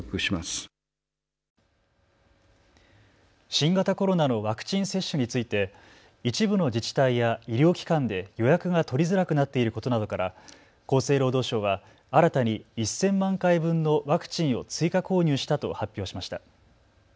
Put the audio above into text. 新型コロナのワクチン接種について一部の自治体や医療機関で予約が取りづらくなっていることなどから厚生労働省は新たに１０００万回分のワクチンを追加購入したと発表しました。